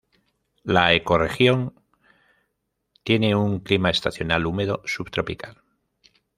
La ecorregión tiene un clima estacional húmedo subtropical.